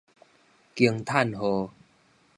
驚嘆號